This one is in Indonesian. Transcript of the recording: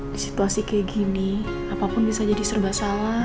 di situasi kayak gini apapun bisa jadi serba salah